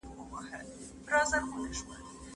د سياست پوهني نيوکي په غور وڅېړئ.